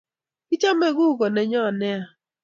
Kichame kuko neyon nea